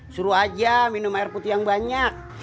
suruh aja minum air putih yang banyak